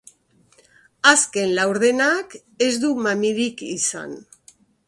Azken laurdenak ez du mamirik izan.